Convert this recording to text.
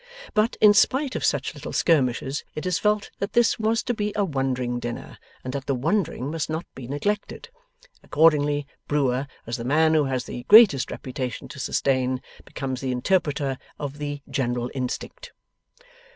But, in spite of such little skirmishes it is felt that this was to be a wondering dinner, and that the wondering must not be neglected. Accordingly, Brewer, as the man who has the greatest reputation to sustain, becomes the interpreter of the general instinct.